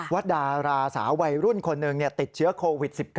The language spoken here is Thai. ดาราสาววัยรุ่นคนหนึ่งติดเชื้อโควิด๑๙